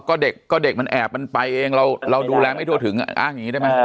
ก็เด็กก็เด็กมันแอบมันไปเองเราดูแลไม่ทั่วถึงอ้างอย่างนี้ได้ไหม